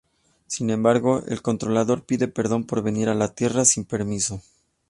Sin embargo, El Controlador pide perdón por venir a la Tierra sin permiso.